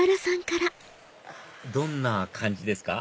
どんな感じですか？